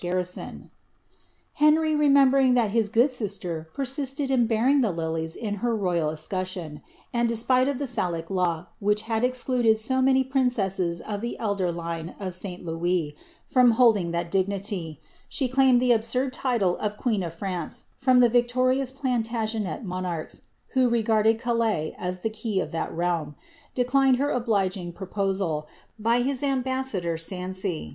garrison." Ili'Ury reini^iiiiieriiig thai hi; g'"." risler persisted in btariiig the lilies in her royal escutcheon, and despiw \f the Salic law, which had excluded so many princesses of the elJ« vie of St. Louis from holding that dignity, she claimed the absurd tiile >f queen of France from the victorious Plaiitagenei monurchs, v' regarded Calais as the key of thai rejilm, declined her obliging proposal, by his ambassador, Sancy.